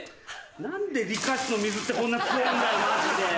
何で理科室の水ってこんな強えぇんだよマジで。